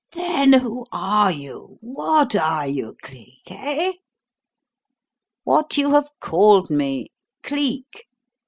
"Then who are you? What are you, Cleek? Eh?" "What you have called me 'Cleek.'